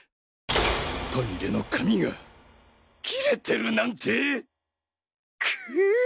トイレの紙が切れてるなんて